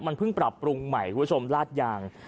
มันเพิ่งปรับปรุงใหม่คุณผู้ชมลาดยาง